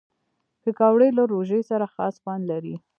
پکورې له روژې سره خاص خوند لري